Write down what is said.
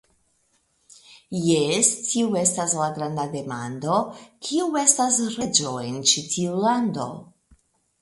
Jes, tiu estas la granda demando: Kiu estas reĝo en ĉi tiu lando?